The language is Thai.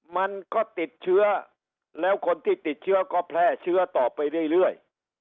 มันก็ติดเชื้อแล้วคนที่ติดเชื้อก็แพร่เชื้อต่อไปเรื่อย